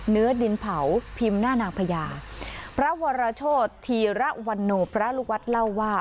เนื้อดินเผาพิมพ์หน้านางพญาพระวรโชธีระวันโนพระลูกวัดเล่าว่า